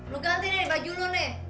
lu gantiin yang di baju lu nih